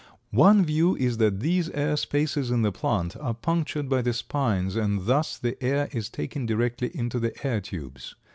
One view is that these air spaces in the plant are punctured by the spines and thus the air is taken directly into the air tubes.